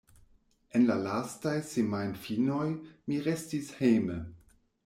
En la lastaj semajnfinoj, mi restis hejme.